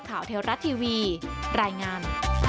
เทวรัฐทีวีรายงาน